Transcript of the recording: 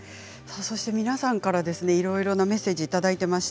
皆さんからいろいろなメッセージをいただいています。